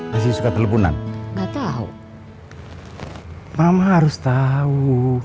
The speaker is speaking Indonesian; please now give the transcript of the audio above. mama harus tau